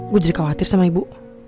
gue jadi khawatir sama ibu